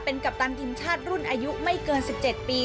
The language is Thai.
เป็นกัปตันทีมชาติรุ่นอายุไม่เกิน๑๗ปี